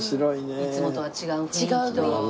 いつもとは違う雰囲気。